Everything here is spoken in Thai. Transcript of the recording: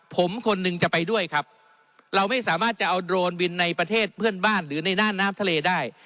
ผมคนหนึ่งจะไปด้วยครับเราไม่สามารถจะเอาโดรนวินในประเทศเพื่อนบ้านหรือในน่านน้ำทะเลได้